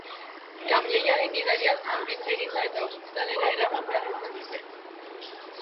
Kamioiaren gidaria zauritu egin da eta ospitalera eraman behar izan dute.